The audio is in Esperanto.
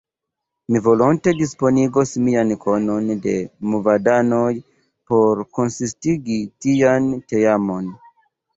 Mi volonte disponigos mian konon de movadanoj por konsistigi tian teamon.